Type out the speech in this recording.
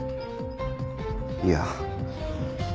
いや。